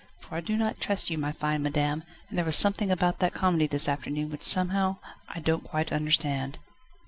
"For I do not trust you, my fine madam, and there was something about that comedy this afternoon, which somehow, I don't quite understand."